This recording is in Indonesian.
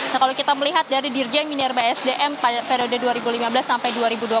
nah kalau kita melihat dari dirjen minerba sdm pada periode dua ribu lima belas sampai dua ribu dua puluh